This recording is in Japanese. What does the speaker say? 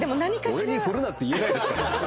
俺に振るなって言えないですから。